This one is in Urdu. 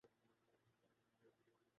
ہم جانتے ہیں۔